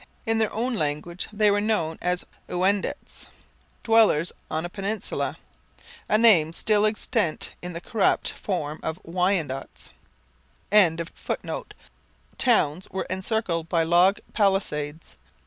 In their own language they were known as Ouendats (dwellers on a peninsula), a name still extant in the corrupted form Wyandots.] towns were encircled by log palisades.